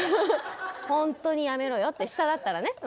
「ホントにやめろよ」って下だったらね